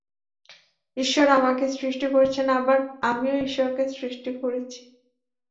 ঈশ্বর আমাকে সৃষ্টি করেছেন, আবার আমিও ঈশ্বরকে সৃষ্টি করেছি।